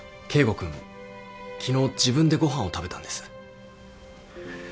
君昨日自分でご飯を食べたんです。